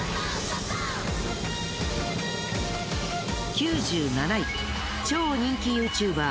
９７位超人気ＹｏｕＴｕｂｅｒ